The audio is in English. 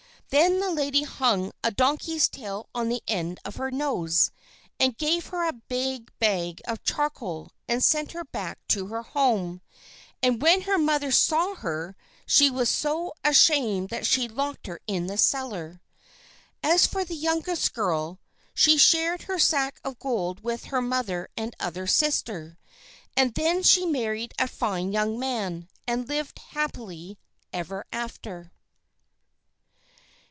Then the lady hung a donkey's tail on the end of her nose, and gave her a big bag of charcoal, and sent her back to her home. And when her mother saw her she was so ashamed that she locked her in the cellar. As for the youngest girl, she shared her sack of gold with her mother and other sister, and then she married a fine young man, and lived happily ever after.